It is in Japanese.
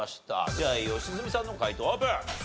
じゃあ良純さんの解答オープン。